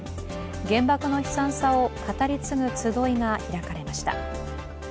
原爆の悲惨さを語り継ぐ集いが開かれました。